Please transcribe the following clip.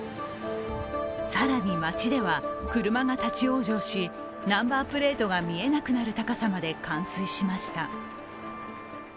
更に街では車が立往生しナンバープレートが見えなくなる高さまで冠水しました。